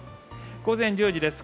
午前１０時です。